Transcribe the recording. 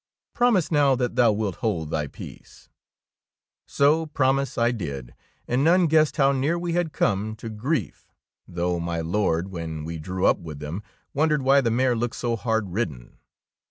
Promise now that thou wilt hold thy peace." 14 THE KOBE OF THE DUCHESS So promise I did, and none guessed how near we had come to grief, though my Lord, when we drew up with them, wondered why the mare looked so hard ridden